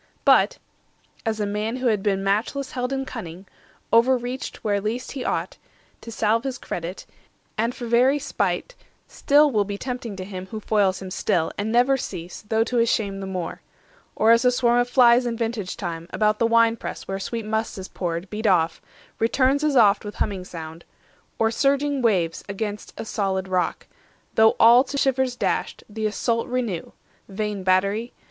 But—as a man who had been matchless held 10 In cunning, over reached where least he thought, To salve his credit, and for very spite, Still will be tempting him who foils him still, And never cease, though to his shame the more; Or as a swarm of flies in vintage time, About the wine press where sweet must is poured, Beat off, returns as oft with humming sound; Or surging waves against a solid rock, Though all to shivers dashed, the assault renew, (Vain battery!)